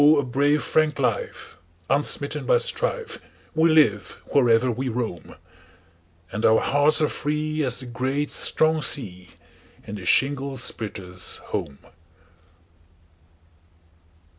a brave frank life, unsmitten by strife, We live wherever we roam, And our hearts are free as the great strong sea, In the shingle splitter's home.